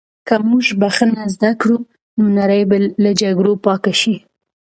که موږ بښنه زده کړو، نو نړۍ به له جګړو پاکه شي.